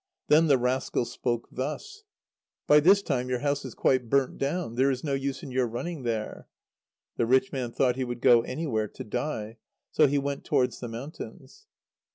Then the rascal spoke thus: "By this time your house is quite burnt down. There is no use in your running there." The rich man thought he would go anywhere to die; so he went towards the mountains.